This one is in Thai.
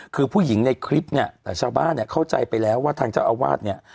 คือผู้หญิงในคลิปเนี่ยแต่ชาวบ้านเนี่ยเข้าใจไปแล้วว่าทางเจ้าอาวาสเนี่ย